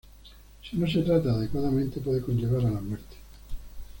Si no se trata adecuadamente, puede conllevar a la muerte.